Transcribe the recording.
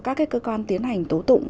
các cái cơ quan tiến hành tố tụng